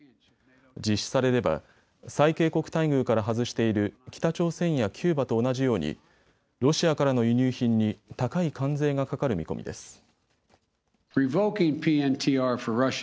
実施されれば最恵国待遇から外している北朝鮮やキューバと同じようにロシアからの輸入品に高い関税がかかる見込みです。